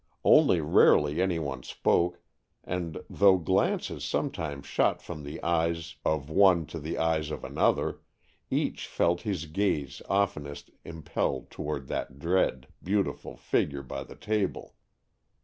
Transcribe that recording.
Only rarely any one spoke, and though glances sometimes shot from the eyes of one to the eyes of another, each felt his gaze oftenest impelled toward that dread, beautiful figure by the table.